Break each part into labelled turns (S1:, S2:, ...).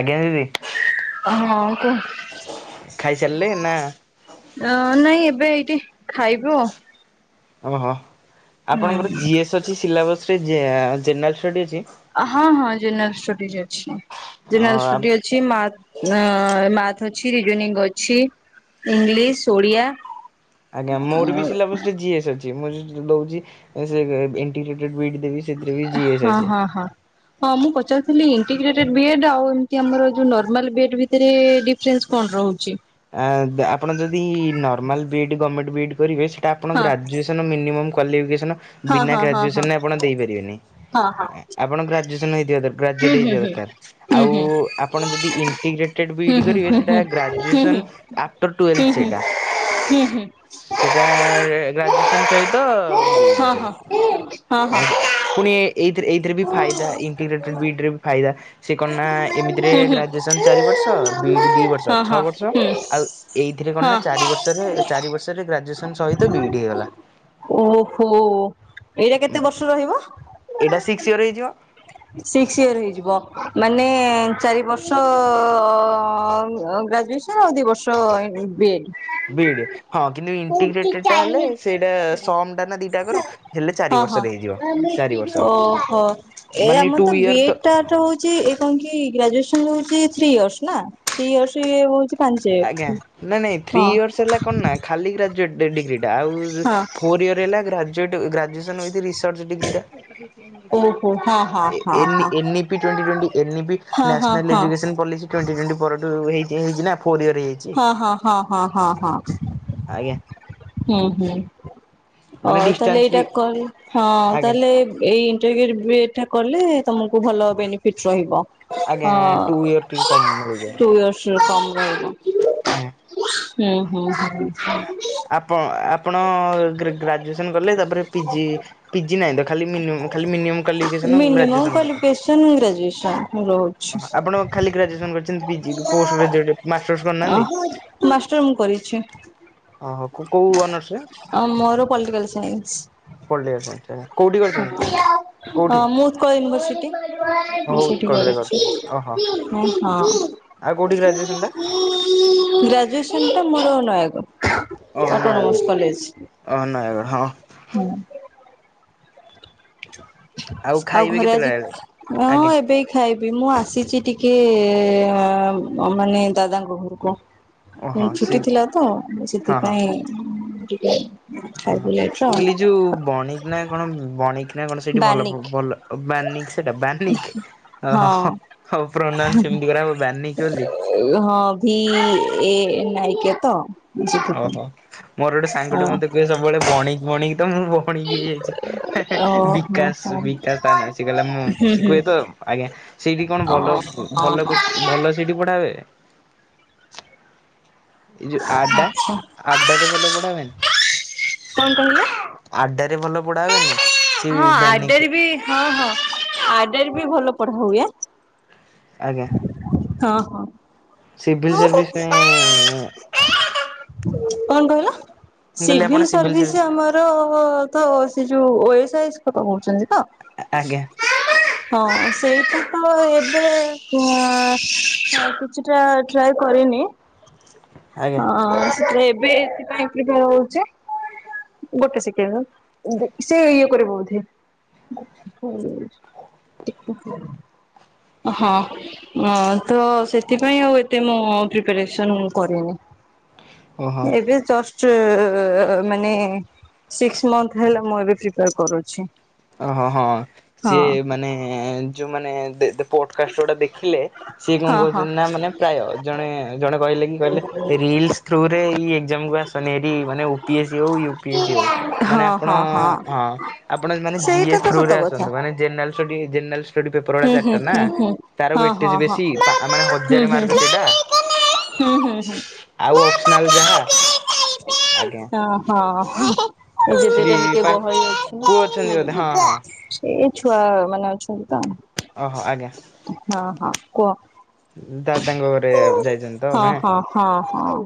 S1: ଆଜ୍ଞା ଦିଦି।
S2: ହଁ କୁହ?
S1: ଖାଇସାରିଲେ ନା?
S2: ଅ ନାଇଁ ଏବେ ଏଇଠି ଖାଇବୁ ଆଉ
S1: ଓହୋ ଆପଣଙ୍କର
S2: ହୁଁ
S1: ଜିଏସ୍ ଅଛି ସିଲାବସରେ ଜେନେରାଲ ଷ୍ଟଡି ଅଛି?
S2: ହଁ ହଁ ଜେନେରାଲ ଷ୍ଟଡିଜ ଅଛି ଜେନେରାଲ ଷ୍ଟଡି ଅ ଅଛି ମାଥ ଅଛି ରିଜନିଙ୍ଗ ଅଛି। ଇଂଲିଶ ଓଡ଼ିଆ।
S1: ଆଜ୍ଞା ମୋର ବି ସିଲାବସ ଜିଏସ୍ ଅଛି ମୁଁ ଦଉଛି ଏଣ୍ଟିଗେଟଡ ବି ଇ ଡି ଦେବି। ସେଥିରେ ବି ଜିଏସ୍
S2: ହଁ
S1: ଅଛି।
S2: ହଁ ହଁ। ହଁ ମୁଁ ପଚାରୁଥିଲି ଇଣ୍ଟିଗ୍ରେଟେ ବି ଏ ଡ ଆଉ ଏମିତି ଆମର ନରମାଲ ବି ଏ ଡ ଭିତରେ ଡିଫରେନ୍ସ କଣ ରହୁଛି?
S1: ଆପଣ ଯଦି ନର୍ମାଲ ବିଇଡି ଗମେଣ୍ଟ ବିଇଡି କରିବେ ସେଟା ଆପଣ
S2: ହଁ
S1: ଗ୍ରାଜୁଏସନ୍ ମିନିମମ କ୍ୱାଲିଫିକେସନ
S2: ହଁ
S1: ବିନା
S2: ହଁ ହଁ ହଁ
S1: ଗ୍ରାଜୁଏସନରେ ଆପଣ ଦେଇ ପାରିବେନି?
S2: ହଁ ହଁ
S1: ଆପଣ ଗ୍ରାଜୁଏସନ ହେଇଥିବା ଗ୍ରାଜୁଏଟ
S2: ହୁଁ
S1: ହେଇଥିବା ଦରକାର
S2: ହୁଁ
S1: ଆଉ
S2: ହୁଁ
S1: ଆପଣ ଯଦି ଇଣ୍ଟିଗ୍ରେଟ ବିଇଡି କରିବେ ଗ୍ରାଜୁଏସନ ଆଫ୍ଟର ଟ୍ୟୁଏଲଥ ସେଟା ସେଟା ଗ୍ରାଜୁଏସନ ସହିତ ବିଇଡି।
S2: ହଁ ହଁ ହଁ।
S1: ପୁଣି ଏ ଏଇଥିରେ ବି
S2: ହୁଁ
S1: ଫାଇଦା ଇଣ୍ଟିଗ୍ରେଟେଡ ବିଇଡରେ ବି ଫାଇଦା ସି କଣ ନା ଏମିତିରେ
S2: ହୁଁ।
S1: ଗ୍ରାଜୁଏସନ୍ ଚାରି ବର୍ଷ ବିଇଡ଼ି ଦିଇ ବର୍ଷ।
S2: ହଁ
S1: ଛଅ
S2: ହଁ
S1: ବର୍ଷ
S2: ହୁଁ।
S1: ଆଉ ଏଇଥିରେ କଣ ନା
S2: ହଁ।
S1: ଚାରି ବର୍ଷରେ ଚାରି ବର୍ଷରେ ଗ୍ରାଜୁଏସନ ସହିତ ବିଇଡି ହେଇଗଲା।
S2: ଓହୋ ଏଇଟା କେତେ ବର୍ଷ ରହିବ?
S1: ଏଇଟା ସିକ୍ସ ଇଅର ହେଇଯିବ।
S2: ସିକ୍ସ ଇଅର ହେଇଯିବ ମାନେ ଚାରି ବର୍ଷ ଗ୍ରାଜୁଏସନ୍ ଆଉ ଦୁଇ ବର୍ଷ ବିଏଡ଼୍
S1: ବି ଇ ଡି ହଁ କିନ୍ତୁ ଇଣ୍ଟିଗ୍ରେଟଡ଼ ହେଲେ ସେଇଟା ସମ ଟା ନା ଦିଟା କର ହେଲେ ଚାରି
S2: ହଁ ହଁ
S1: ବର୍ଷ ହେଇଯିବ ଚାରି ବର୍ଷ।
S2: ଓହୋ। ଏ
S1: ମାନେ
S2: ଆମର
S1: ଟୁ
S2: ବି
S1: ଇଅର
S2: ଏଡ୍
S1: ତ
S2: ଟା ହଉଛି କଣ କି ଗ୍ରଜୁଏସ ହଉଛି ଥ୍ରୀ ଇୟର୍ସ ନା ଥ୍ରି ଇୟର୍ସ ଏ ହଉଛି ପାଞ୍ଚ
S1: ଆଜ୍ଞା ନାଇଁ ନାଇଁ ଥ୍ରୀ
S2: ହଁ
S1: ଇୟର୍ସ ହେଲା କଣ ନା ଖାଲି ଗ୍ରାଜୁଏଟ ଡିଗ୍ରୀ ଟା ଆଉ
S2: ହଁ
S1: ଫୋର୍ ଇୟର ହେଲା ଗ୍ରାଜୁଏଟ୍ ଗ୍ରଜୁଏସନ୍ ୱିଥ ରିସର୍ଚ ଡିଗ୍ରୀଟା
S2: ଓହୋ ହଁ ହଁ ହଁ
S1: ଏନ୍
S2: ହଁ।
S1: N E P twenty twenty. NEP
S2: ହଁ ହଁ
S1: ନ୍ୟାସନାଲ
S2: ହଁ
S1: ଏଜୁକେସନ୍ ପଲିସି ଟ୍ୱେଣ୍ଟି ଟ୍ୱେଣ୍ଟି ପରଠୁ ହେଇ ହେଇଛି ନା ଫୋର୍ ଇୟର ହେଇଚି
S2: ହଁ ହଁ ହଁ ହଁ ହଁ ହଁ।
S1: ଆଜ୍ଞା।
S2: ହୁଁ ହୁଁ
S1: ମାନେ
S2: ହଉ ତାହେଲେ
S1: ଡିଷ୍ଟାନ୍ସ ବି
S2: ଏଇଟା କ ହଁ
S1: ଆଜ୍ଞା
S2: ତାହେଲେ ଏଇ ଇଣ୍ଟିଗ୍ରେଟେଡ ବି ଇ ଡି ଟା କଲେ ତମକୁ ଭଲ ବେନିଫିଟ ରହିବ।
S1: ଆଜ୍ଞା ଟୁ ଇୟର ଟିକେ
S2: ହଁ
S1: କମ ମିଳିଯାଏ
S2: ଟୁ ଇୟର୍ସର କମ
S1: ଆଜ୍ଞା।
S2: ରହିବ। ହୁଁ ହୁଁ ହୁଁ।
S1: ଆପଣ ଆପଣ ଗ୍ରାଜୁଏସନ କଲେ ତାପରେ ପିଜି ପିଜି ନାହିଁ ତ ଖାଲି ମିନିମମ୍ ଖାଲି ମିିନିମମ କ୍ୱାଲିଫିକେସନ
S2: ମିନିମମ୍
S1: ଗ୍ରାଜୁଏସନ ଦରକାର।
S2: [inaudible] ଗ୍ରାଜୁଏସନ୍ ମୋର।
S1: ଓ ଆପଣ ଖାଲି ଗ୍ରାଜୁଏସନ କରିଛନ୍ତି ପିଜି ପୋଷ୍ଟ ଗ୍ରାଜୁଏଟ ମାଷ୍ଟର୍ସ
S2: ଅ
S1: କରିନାହାନ୍ତି?
S2: ମାଷ୍ଟର ମୁଁ କରିଛି
S1: ଓହୋ କୋଉ ଅନର୍ସ
S2: ମୋର ପଲିଟିକାଲସାଇନ୍ସ।
S1: ପଲିଟିକାଲସାଇନ୍ସ ଆଜ୍ଞା।
S2: ହଁ ମୁଁ ଉତ୍କଳ ୟୁନିଭର୍ସିଟି ମୁ
S1: ହଉ
S2: ସେଇଠି
S1: ଉତ୍କଳରେ
S2: ପଢ଼ିଛି।
S1: କରିଛନ୍ତି ଓହୋ
S2: ହଁ ହଁ।
S1: ଆଉ କୋଉଠି ଗ୍ରାଜୁଏସନ ଟା?
S2: ଗ୍ରାଜୁଏସନ୍ ଟା ମୋର ନୟାଗଡ଼।
S1: ଅ
S2: ଅଟୋନମସ୍
S1: ନୟାଗଡ଼
S2: କଲେଜ।
S1: ଅ ନୟାଗଡ଼ ହଁ।
S2: ହୁଁ। ଆଉ
S1: ଖାଇବେ
S2: ଘରେ
S1: କେତେଟା
S2: ଆଜି
S1: ବେଳେ?
S2: ହଁ
S1: ଆଜ୍ଞା
S2: ଏବେ ଖାଇବି ମୁଁ ଆସିଛି ଟିକେ ମାନେ ଦାଦାଙ୍କ ଘରୁକୁ। ହୁଁ
S1: ଓହୋ ସେ
S2: ଛୁଟି ଥିଲା ତ
S1: ହଁ ହଁ
S2: ସେଥିପାଇଁ ଟିକେ
S1: ଓହୋ
S2: ଖାଇବି ଲେଟରେ
S1: ମୁଁ
S2: ଆଉ।
S1: କହିଲି ଯୋଉ ବଣିକ ନା କଣ ବଣିକ? ନାଇ କଣ ସେଇଠି ଭଲ,
S2: ବାନିକ୍
S1: ଭଲ, ବାନିକ୍ ସେଇଟା ବାନିକ୍। ଓହୋ ହୋ,
S2: ହଁ
S1: ହଉ ପ୍ରୋନାଉନ ସେମିତି କରାହବ, ବାରନିକି ବୋଲି।
S2: ହଁ, ଭି ଏ ନାଇକେ ତ? ସେଥିପାଇଁ।
S1: ଓହୋ, ମୋର ଗୋଟେ
S2: ଓ
S1: ସାଙ୍ଗଟେ ମତେ କୁହେ ସବୁବେଳେ ବଣିକି, ବଣିକି ତ ମୁଁ ମଣିଙ୍ଗି ହେଇଯାଇଚି, ହେ ହେ,
S2: ଓହୋ ହୋ।
S1: ବିକାଶ, ବିକାଶ ତା ନା, ସିଏ କହିଲା ମୁଁ,
S2: ହୁଁ
S1: ସିଏ
S2: ହୁଁ
S1: କୁଏତ, ଆଜ୍ଞା। ସେଇଠି କଣ
S2: ଓ
S1: ଭଲ,
S2: ହଁ
S1: ଭଲ
S2: ହଁ
S1: କୋଚି, ଭଲ ସେଇଠି ପଢାହୁଏ? ଏଇ ଯଉ ଆଡଡା, ଆଡ୍ଡା ରେ ଭଲ ପଢାବେଏନ?
S2: କଣ କହିଲେ?
S1: ଆଡ୍ଡା ରେ ଭଲ ପଢା ହୁଏନି? ସେ
S2: ହଁ,
S1: ବାନିକି
S2: ଆଡର ବି, ହଁ ହଁ, ଆଡର ବି ଭଲ ପଢା ହୁଏ।
S1: ଆଜ୍ଞ
S2: ହଁ ହଁ।
S1: ସିଭିଲ୍ ସର୍ଭିସ ପାଇଁ ଇଁ ଇଁ
S2: କଣ କହିଲ?
S1: ମୁଁ କହିଲି ଆପଣ
S2: ସିଭିଲ
S1: ସିଭିଲ୍
S2: ସର୍ଭିସ
S1: ସର୍ଭିସ୍
S2: ଆମର ତ ତ, ସେ ଯୋଉ ଓଏସ, ଆଇଏସ କଥା କହୁଛନ୍ତି ତ?
S1: [unintelligible]
S2: ହଁ, ସେଇଟା ତ ଏବେ ଅ କିଛିଟା ଟ୍ରାଏ କରିନି,
S1: ଆଜ୍ଞା
S2: ଅଁ ସେଥି ପାଇଁ ଏବେ ଏଥିପାଇଁ କି ହଉଚି। ଗୋଟେ ସେକେଣ୍ଡ ଏଁ, ସେ ଇଏ କରିବ ଉଧେ। ହଁ। [unintelligible] ତ, ସେଥିପାଇଁ ଆଉ ଏତେ ମୁଁ ପ୍ରିପାରେସନ କରିନି।
S1: ଓହୋ।
S2: ମୁଁ, ଏବେ ଜଷ୍ଟ ମାନେ ସିକ୍ସ ମନ୍ଥ ହେଲା, ମୁଁ ଏବେ ପ୍ରିପେୟାର କରୁଛି।
S1: ଓହ ହଁ,
S2: ହଁ
S1: ସିଏ ମାନେ ଯୋଉମାନେ ଦେ ଦେ ପୋଟକାଷ୍ଟ ଗୁଡା ଦେଖିଲେ, ସିଏ କଣ
S2: ହଁ ହଁ
S1: କହୁଛନ୍ତି ନା, ମାନେ ପ୍ରାୟ, ଜଣେ, ଜଣେ କହିଲେ କହିଲେ, ରିଲିସ ଥ୍ରୁରେ ଏଇ ଏକଜାମ୍ କୁ ଆସନି ହାରି, ମାନେ ଉ ପି ଏସ୍ ସି ହଉ, ୟୁ ପି ଏସ୍ ସି ହଉ, ମାନେ
S2: ହଁ
S1: ଆପଣ,
S2: ହଁ
S1: ହଁ, ଆପଣ ମାନେ
S2: ସେଇଟା
S1: ଜିଏସ
S2: ତ
S1: ଥ୍ରୁ
S2: ସତ
S1: ରେ
S2: କଥା
S1: ଆସନ୍ତୁ ମାନେ ଜେନେରାଲ ଷ୍ଟଡି, ଜେନେରାଲସ୍‌ ସେଟି ପେପରଟା
S2: ହୁଁ ହୁଁ
S1: ଚାରିଟା ନା,
S2: ହୁଁ ହୁଁ
S1: ତାର
S2: ହଁ ହଁ
S1: ୱଟେଜ
S2: ହଁ।
S1: ବେଶୀ, ମାନେ
S2: ହୁଁ
S1: ହଜାର
S2: ହୁଁ
S1: ମାର୍କ ସେଇଟା।
S2: ହୁଁ ହୁଁ ହୁଁ।
S1: ଆଉ ଅପସନାଲ୍ ଯାହା। ଆଜ୍ଞା
S2: ହଁ ହଁ। ଏବେ [unintelligible]
S1: ସେଠି
S2: ଟିକେ
S1: ପା
S2: ଗହଳି ଅଛି,
S1: ପୁଅ ଅଛନ୍ତି ବୋଧେ ହଁ ହଁ
S2: ହୁଁ। ଏ ଛୁଆମାନେ ଅଛନ୍ତି ତ।
S1: ଓହୋ ଆଜ୍ଞା।
S2: ହଁ ହଁ କୁହ?
S1: ଦାଦାଙ୍କ ଘରେ ଯାଇଛନ୍ତି ତ, ଆଉ
S2: ହଁ
S1: ନୁହେଁ?
S2: ହଁ ହଁ ହଁ।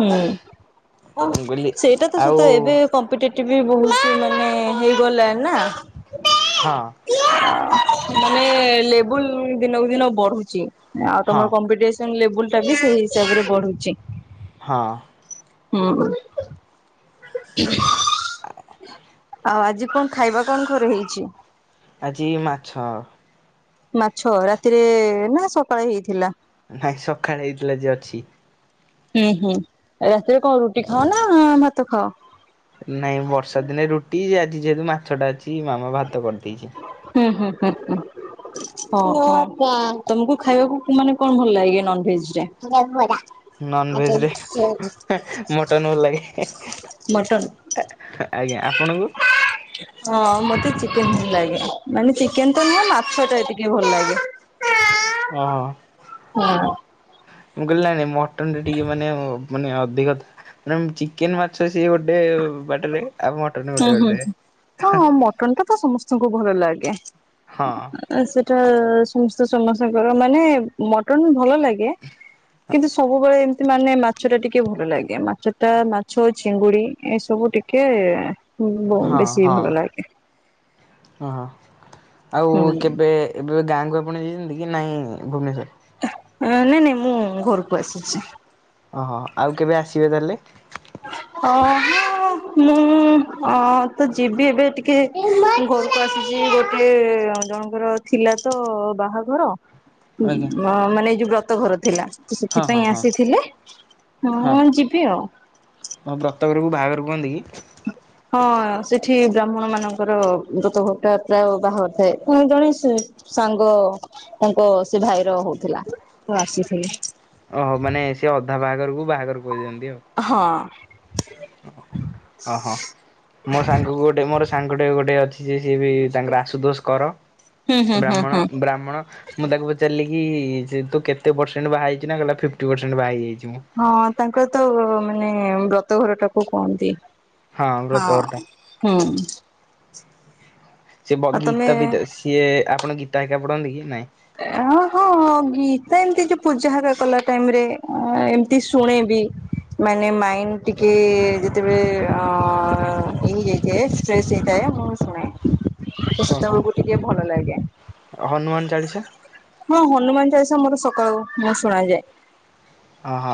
S2: ହୁଁ,
S1: ମୁଁ କହିଲି
S2: ସେଇଟା ତ
S1: ଆଉ
S2: ସତ, ଏବେ କମ୍ପିଟେଟିଭ ବହୁତ ମାନେ ହେଇଗଲା ନା।
S1: ହଁ।
S2: ମାନେ ଲେବୁଲ ଦିନକୁ ଦିନ ବଢୁଛି। ଆଉ
S1: ହଁ
S2: ତମର କମ୍ପିଟି ତମ ଲେବୁଲଟା ବି, ସେଇ ହିସାବରେ ବଢୁଛି।
S1: ହଁ।
S2: ହୁଁ। ଆଉ ଆଜି କଣ ଖାଇବା କଣ ଘରେ ହେଇଛି?
S1: ଆଜି ମାଛ
S2: ମାଛ ରାତିରେ ନା ସକାଳେ ହେଇଥିଲା?
S1: ନାଇଁ ସଖାଳେ ହେଇଥିଲା ଯିଏ ଅଛି।
S2: ହୁଁ ହୁଁ ରାତିରେ କଣ ରୁଟି ଖାଅ ନା ଭାତ ଖାଅ?
S1: ନାଇଁ ବର୍ଷା ଦିନେ ରୁଟି ଆଜି ଯେହେତୁ ମାଛଟା ଅଛି ମାମା ଭାତ କରିଦେଇଛି।
S2: ହୁଁ ହୁଁ ହୁଁ ହୁଁ। ହଁ ତମକୁ ଖାଇବାକୁ ମାନେ କଣ ଭଲ ଲାଗେ ନନ୍ ଭେଜରେ?
S1: ନନ୍ ଭେଜରେ ମଟନ ଭଲ ଲାଗେ।
S2: ମଟନ
S1: ଆଜ୍ଞା ଆପଣଙ୍କୁ?
S2: ହଁ ମୋତେ ଚିକେନ ଭଲ ଲାଗେ ମାନେ ଚିକେନ ତ ନୁହେଁ ମାଛଟା ଟିକେ ଭଲ ଲାଗେ।
S1: ଓହୋ।
S2: ହଁ।
S1: ମୁଁ କହିଲି ନାଇଁ ନାଇଁ ମଟନଟା ଟିକେ ମାନେ ମାନେ ଅଧିକ ମ୍ୟାଡ଼ାମ ଚିକେନ ମାଛ ସିଏ ଗୋଟେ ବାଟରେ ଆଉ ମ
S2: ଉଁ ହୁଁ ହୁଁ ମଟନଟା ତ ସମସ୍ତଙ୍କୁ ଭଲ ଲାଗେ।
S1: ହଁ
S2: ଆଉ ସେଇଟା ସମସ୍ତେ ସମସ୍ତଙ୍କର ମାନେ ମଟନ ବି ଭଲ ଲାଗେ କିନ୍ତୁ ସବୁବେଳେ ଏମତି ମାନେ ମାଛଟା ଟିକେ ଭଲ ଲାଗେ ମା ଛଟା ମାଛ ଓ ଚିଙ୍ଗୁଡି ଏସବୁ ଟିକେ ବ
S1: ହଁ
S2: ବେଶୀ ଭଲ ଲାଗେ।
S1: ହଁ ହଁ ଆଉ
S2: ହୁଁ
S1: କେବେ ଏବେ ଗାଁକୁ ଆପଣ ଯାଇଛନ୍ତି କି ନାହିଁ ଭୁବନେଶ୍ୱର?
S2: ଅ ନାଇଁ ନାଇଁ ମୁଁ ଘରକୁ ଆସିଛି।
S1: ଓହୋ ଆଉ କେବେ ଆସିବେ ତାହେଲେ?
S2: ଅ ମୁଁ ମୁଁ ଅ ତ ଯିବି ଏବେ ଟିକେ ଘରକୁ ଆସିଛି ଗୋଟେ ଜଣକୁ ଙ୍କର ଥିଲା ତ ବାହାଘର
S1: ଆଜ୍ଞା
S2: ମ ମାନେ ଏଇ ଯୋଉ ବ୍ରତ ଘର ଥିଲା। ତ
S1: ହଁ ହଁ
S2: ସେଥିପାଇଁ
S1: ହଁ
S2: ଆସିଥିଲେ ହଁ ଯିବି ଆଉ।
S1: ତମ ବ୍ରତଘରକୁ ବାହାଘର କୁହନ୍ତି କି?
S2: ହଁ ସେଠି ବ୍ରାହ୍ମଣମାନଙ୍କର ବ୍ରତଘରଟା ପ୍ରାୟ ବାହାଘର ଥାଏ। [unintelligible] ଜଣେଇ ସେ ସାଙ୍ଗ ତାଙ୍କ ସେ ଭାଇର ହଉଥିଲା ତ ଆସିଥିଲି।
S1: ଓହୋ ମାନେ ସିଏ ଅଧା ବାହାଘରକୁ ବାହାଘର କହିଦିଅନ୍ତି ଆଉ।
S2: ହଁ।
S1: ଅ ହ ମୋ ସାଙ୍ଗକୁ ଗୋଟେ ମୋର ସାଙ୍ଗଟେ ଗୋଟେ ଅଛି, ଯେ ସିଏ ବି ତାଙ୍କର ଆଶୁତୋଷ କର
S2: ହୁଁ ହୁଁ ହୁଁ
S1: ବ୍ରାହ୍ମଣ
S2: ହୁଁ।
S1: ବ୍ରାହ୍ମଣ ମୁଁ ତାକୁ ପଚାରିଲି କି ଯେ ତୁ କେତେ ପରସେଣ୍ଟ ବାହା ହେଇଛୁ ନା କହିଲା ଫିପ୍ଟି ପରସେଣ୍ଟ ବାହା ହେଇଯାଇଛି ମୁଁ।
S2: ହଁ ତାଙ୍କର ତ ମାନେ ବ୍ରତଘରଟାକୁ କୁହନ୍ତି। ହଁ। ହୁଁ।
S1: ସେ ବ
S2: ଆଉ ତମେ
S1: ଗୀତ ଫିତା ସିଏ ଆପଣଙ୍କ ଗୀତା ହେରିକା ପଢ଼ନ୍ତି କି ନାଇଁ।
S2: ଏ ହଁ ହଁ। ହଁ ଗୀତା ଏମିତି ଯୋଉ ପୂଜା ହକା କଲା ଟାଇମ୍ ରେ ଅ ଏମିତି ଶୁଣେ ବି। ମାନେ ମାଇଣ୍ଡ ଟିକେ ଯେତେବେଳେ ଅ ଇଏ ହେଇଯାଏ ଷ୍ଟ୍ରେସ୍ ହେଇଥାଏ, ମୁଁ ଶୁଣେ। ତ ସେତବେଳକୁ ଟିକେ ଭଲ ଲାଗେ।
S1: ଅ ହନୁମାନ ଚାଳିଶା?
S2: ହଁ ହନୁମାନ ଚାଳିଶା ମୋର ସକାଳକୁ ମୁଁ ଶୁଣାଯାଏ।
S1: ଅ ହ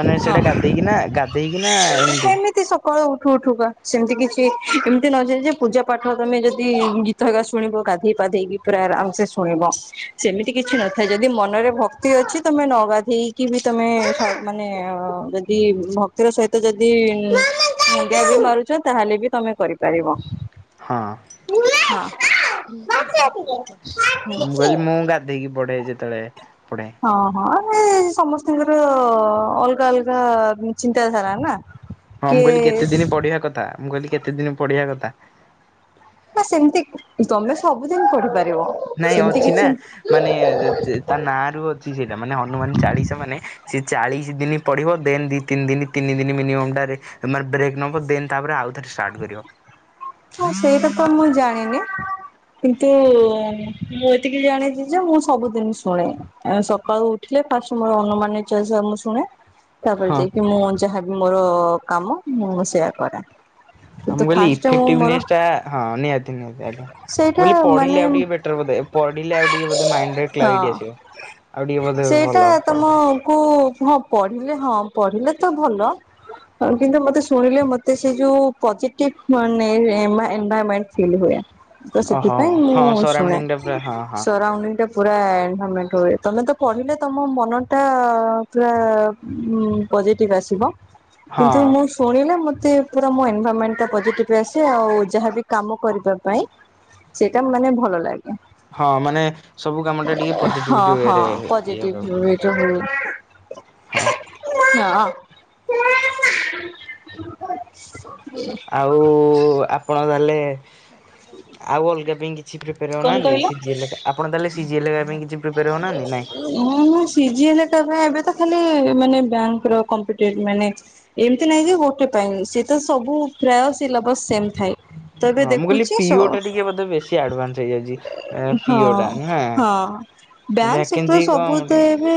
S1: ମାନେ
S2: ହଁ
S1: ସେଇଟା ଗାଧେଇକି ନା ଗାଧେଇକି ନା ଏମତି?
S2: ଏମିତି ସକାଳୁ ଉଠୁ ଉଠୁକା, ସେମିତି କିଚି ଏମିତି ନ ଯାଏ ଯେ ପୂଜା ପାଠ ତମେ ଯଦି ଗୀ ତହକା ଶୁଣିବ ଗାଧେଇ ପାଧେଇକି ପୁରା ଆରାମ୍ ସେ ସୁ ଶୁଣିବ, ସେମିତି କିଛି ନଥାଏ ଯଦି ମନରେ ଭକ୍ତି ଅଛି ତମେ ନଗାଧେଇ ବି ତମେ [unintelligible] ମାନେ ଯଦି ଭକ୍ତିର ସହିତ ଯଦି ମୁଣ୍ଡିଆବି ମାରୁଚ, ତାହେଲେବି ତମେ କରିପାରିବ।
S1: ହଁ।
S2: ହଁ।
S1: ମୁଁ ମୁଁ କହିଲି ମୁଁ ଗାଧେଇକି ପଢେ ଯେତେବେଳେ ପଢେ।
S2: ହଁ ହଁ ଏ ସମସ୍ତଙ୍କିର ଅଲଗା ଅଲଗା ଚିନ୍ତାଧାରା ନା।
S1: ହଁ ମୁଁ କହିଲି କେତେ
S2: କିଏ
S1: ଦିନି ପଢିଆ କଥା, ମୁଁ କହିଲି କେତେ ଦିନି ପଢିଆ କଥା?
S2: ନା ସେମିତି ତମେ ସବୁଦିନି ପଢିପାରିବ।
S1: ନାଇଁ
S2: ସେମିତି
S1: ଅଛିନା
S2: କିଛି
S1: ମାନେ ସେ ତାନାଁରୁ ଅଛି ସେଇଟା, ମାନେ ହନୁମାନ ଚାଳିଶା ମାନେ ସେଚାଳିଶି ଦିନି ପଢିବ ଦେନ୍ ଦି ତିନି ଦିନି ତିନି ଦିନି ମିନିମମ୍ ଟାରେ ମାନେ ବ୍ରେକ୍ ନବ ଦେନ୍ ତାପରେ ଆଉ ଥରେ ଷ୍ଟାର୍ଟ କରିବ।
S2: ହଁ ସେଇଟା ତ ମୁଁ ଜାଣିନି। କିନ୍ତୁ ମୁଁ ଏତିକି ଜାଣିଚିଯେ ମୁଁ ସବୁଦିନି ଶୁଣେ। ଆଁ ସକାଳୁ ଉଠିଲେ ଫାଷ୍ଟ ମୋର ଅନୁମାନେ ଚାଳିଶିଆ ମୁଁ ଶୁଣେ। ତାପରେ
S1: ହଁ
S2: ଯାଇକି ମୁଁ ଯାହାବି ମୋର କାମ ମୁଁ ସେୟା କରେ
S1: ଆ
S2: କିନ୍ତୁ
S1: ମୁଁ କହିଲି
S2: ଫାଷ୍ଟ ମୁଁ
S1: ଇଫେକ୍ଟିଭ
S2: ମୋର
S1: ନେସ୍ ଟା ହଁ ନିହାତି ନିହାତି ଆଜ୍ଞା। ମୁଁ
S2: ସେଇଟା
S1: କହିଲି
S2: ମାନେ
S1: ପଢିଲେ ଆଉ ଟିକେ ବେଟର ବୋଧେ, ପଢିଲେ ଆଉ ଟିକେ ବୋଧେ ମାଇଣ୍ଡରେ କ୍ଲାରିଟି
S2: ହଁ
S1: ଆସିବ। ଆଉ ଟିକେ ବୋଧେ
S2: ସେଇଟା
S1: ଭଲ
S2: ତମ
S1: ପଢିଲେ
S2: କୁ ହଁ ପଢିଲେ ହଁ ପଢିଲେତ ଭଲ, କିନ୍ତୁ ମତେ ଶୁଣିଲେ ମତେ ସେଇ ଯୋଉ ପଜେଟିଭ ମ-ନେ-ଏ ଏନଭାରମେଣ୍ଟ ଫିଲ୍ ହୁଏ। ତ
S1: ଓହୋ
S2: ସେଥିପାଇଁ
S1: ହଁ
S2: ମୁଁ ଶୁଣେ
S1: ସରାଉଣ୍ଡିଙ୍ଗ ଟା ପୁରା ହଁ ହଁ
S2: ସରାଉଣ୍ଡିଗ ଟା ପୁରା ଏନଭରମେଣ୍ଟ ହୁଏ, ତମେତ ପଢିଲେ ତମ ମନଟା ପୁରା ଉ ପଜେଟିଭ ଆସିବ, କିନ୍ତୁ
S1: ହଁ।
S2: ମୁଁ ଶୁଣିଲେ ମତେ ପୁରା ମୋ ଏନଭରମେଣ୍ଟଟା ପଜିଟିଭ ଆସେ ଆଉ ଯାହାବି କାମ କରିବା ପାଇଁ ସେଇଟା ମ ମାନେ ଭଲ ଲାଗେ।
S1: ହଁ ମାନେ ସବୁ କାମଟା ଟିକେ ପଜିଟିଭିଟି ୱଏରେ ହୁଏ ଇଏ [unintelligible]
S2: [unintelligible] ହୁଁ।
S1: ହଁ।
S2: ହଁ। [unintelligible]
S1: ଆଉ ଆପଣ ତାହାଲେ ଆଉ ଅଲଗା ପାଇଁ କିଛି ପ୍ରିପାର
S2: କଣ
S1: ହଉନାହାନ୍ତି
S2: କହିଲ?
S1: ସି ଜି ଏ ଲେଖା ଆପଣ ତାହେଲେ ସି ଜି ଏ ଲେଖା ପାଇଁ କିଛି ପ୍ରିପାର ହେଉନାହାନ୍ତି ନାଇଁ
S2: ହଁ ମୁଁ ସି ଜି ଏ ଲେ ଟା ଆ ଏବେତ ଖାଲି ମାନେ ବ୍ୟାଙ୍କର କମ୍ପିଟେଟିଭ ମାନେ ଏମିତି ନାଇଁଯେ ଗୋଟେ ପାଇଁ, ସେତ ସବୁ ପ୍ରାୟ ସିଲାବସ୍ ସେମ୍ ଥାଏ। ତ ଏବେ
S1: ହଁ ମୁଁ କହିଲି
S2: ଦେଖୁଛି
S1: ପି
S2: ସ
S1: ଓ ଟା ଟିକେ ବୋଧେ ବେଶୀ ଆଡଭାନ୍ସ ହେଇଯାଉଚି?
S2: ହଁ ହଁ ବ୍ୟାଙ୍କ ସେକ୍ଟର
S1: ଭ୍ୟାକେନ୍ସି କମ
S2: ସବୁତ
S1: ଟିକେ
S2: ଏବେ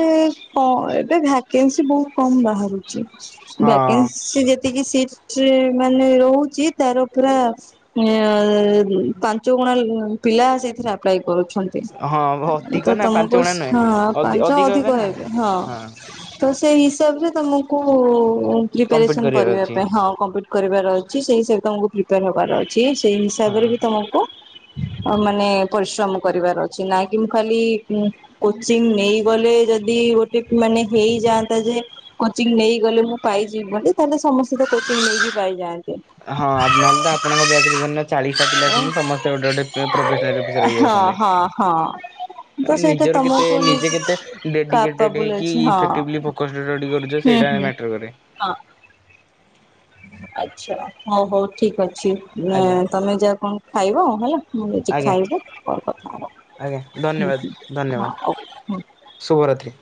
S2: ହଁ ଏବେ ଭ୍ୟାକେନ୍ସି ବହୁତ୍ କମ୍ ବାହାରୁଚି,
S1: ହଁ
S2: ଭ୍ୟାକେନ୍ସି ଯେ ଏତିକି ସି-ଟରେ ମାନେ ରହୁଚି ତାର ପୁରା ଏ ଅ ପାଞ୍ଚଗୁଣା ପିଲା ସେଥିରେ ଆପ୍ଲାଏ କରୁଛନ୍ତି।
S1: ହଁ ଭୋତ୍
S2: ତ ତୁମକୁ ହଁ ପାଞ୍ଚ ଅଧିକ ହେବେ ହଁ। ତ ସେଇ ହିସାବରେ ତମକୁ
S1: କମ୍ପିଟ୍
S2: ପ୍ରିପାରେସନ୍
S1: କରିବାର
S2: କରିବା
S1: ଅଛି
S2: ପାଇଁ ହଁ କମ୍ପ କରିବାର ଅଛି ସେଇ ହିସାବରେ ତମକୁ ପ୍ରିପେୟାର ହବାର ଅଛି ସେଇ
S1: ହଁ।
S2: ହିସାବରେବି ତମକୁ ହଁ ମାନେ ପରିଶ୍ରମ କରିବାର ଅଛି ନାଇଁ ମୁଁ ଖାଲି ଉଁ କୋଚିଙ୍ଗ୍ ନେଇଗଲେ ଯଦି ଗୋଟେ ମାନେ ହେଇଯାଆନ୍ତା ଯେ କୋଚିଙ୍ଗ୍ ନେଇଗଲେ ମୁଁ ପାଇଯିବି ବୋଲି ତାହେଲେ ସମସ୍ତେ ତ କୋଚିଙ୍ଗ୍ ନେଇକି ପାଇଯାଆ
S1: ହଁ ଆଉ ନହେଲେ ତ ଆପଣଙ୍କ ବ୍ୟାଚ୍ ରେ ଚାଳିଶଟା ପିଲା ଅଛନ୍ତି ସମସ୍ତେ ଗୋଟେ ଗୋଟେ ପୁରା ପ୍ରଫେସନାଲ୍ ଅଫିସର ହେଇକି ବସନ୍ତେ।
S2: ଅ ହଁ ତ ସେଇଟା ତମକୁ ନେଇକି
S1: ଡେଡିକେଟେଡ୍ ହେଇକି ଇଫେକ୍ଟବିଲି ଫୋକସ୍ ରେ ରେଡି କରୁଛ
S2: ହୁଁ
S1: ସେଇଟା
S2: ହୁଁ
S1: ମ୍ୟାଟର କରେ।
S2: ହଁ ଆଛା ହଉ ହଉ ଠିକ୍ ଅଛି। ଉଁ
S1: ଆଜ୍ଞା
S2: ତମେ ଯାଅ କଣ ଖାଇବ ହେଲା ମୁଁ ବି ଯାଉଛି
S1: ଆଜ୍ଞା
S2: ଖାଇବି ପରେ କଥା ହବା
S1: ଆଜ୍ଞା
S2: ହୁଁ
S1: ଧନ୍ୟବାଦ୍
S2: ହୁଁ ହଁ
S1: ଧନ୍ୟବାଦ୍
S2: ଓକେ ହୁଁ।
S1: ଶୁଭରାତ୍ରି।